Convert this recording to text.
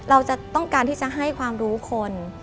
เราจะต้องการที่จะให้ความรู้คน